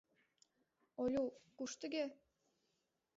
— Олю, куш тыге?